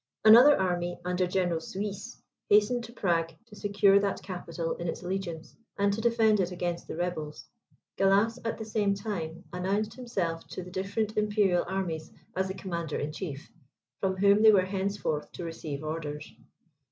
Another army under General Suys hastened to Prague, to secure that capital in its allegiance, and to defend it against the rebels. Gallas, at the same time, announced himself to the different imperial armies as the commander in chief, from whom they were henceforth to receive orders.